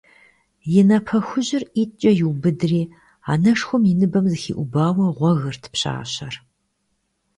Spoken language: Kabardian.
И напэ хужьыр ӀитӀкӀэ иубыдри, анэшхуэм и ныбэм зыхиӀубауэ гъуэгырт пщащэр.